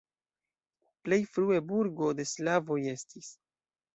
Plej frue burgo de slavoj estis.